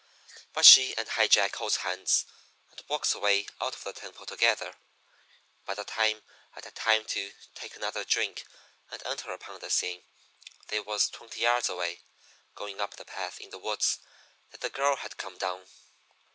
"But she and High Jack holds hands and walks away out of the temple together. By the time I'd had time to take another drink and enter upon the scene they was twenty yards away, going up the path in the woods that the girl had come down.